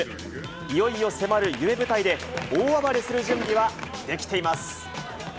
いよいよ迫る夢舞台で大暴れする準備はできています。